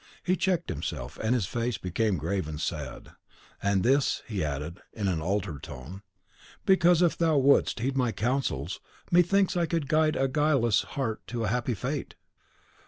He checked himself, and his face became grave and sad. "And this," he added, in an altered tone, "because, if thou wouldst heed my counsels, methinks I could guide a guileless heart to a happy fate."